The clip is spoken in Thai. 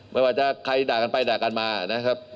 ไม่ว่าจะใครด่ากันไปด่ากันมานะครับ